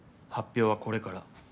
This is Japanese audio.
発表はこれから。